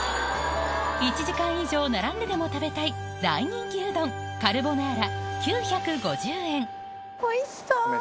１時間以上並んででも食べたい大人気うどんおいしそう！